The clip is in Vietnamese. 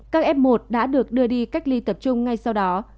các f một đã được đưa đi cách ly tập trung ngay sau đó